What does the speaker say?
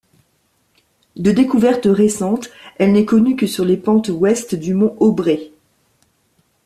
De découverte récente, elle n'est connue que sur les pentes ouest du mont Obree.